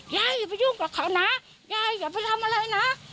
อย่าไปยุ่งกับเขานะยายอย่าไปทำอะไรนะ